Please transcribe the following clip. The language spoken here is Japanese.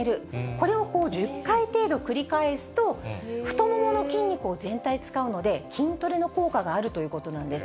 これを１０回程度繰り返すと、太ももの筋肉を全体使うので、筋トレの効果があるということなんです。